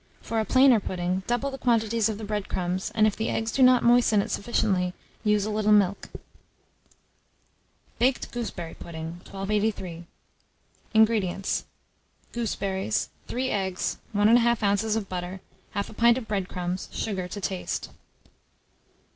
For a plainer pudding, double the quantities of the bread crumbs, and if the eggs do not moisten it sufficiently, use a little milk. BAKED GOOSEBERRY PUDDING. 1283. INGREDIENTS. Gooseberries, 3 eggs, 1 1/2 oz. of butter, 1/2 pint of bread crumbs, sugar to taste.